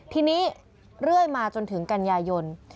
ทีนี้เรื่อยมาจนถึงกันยายน